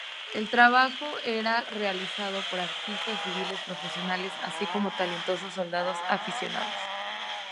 El trabajo era realizado por artistas civiles profesionales, así como talentosos soldados aficionados.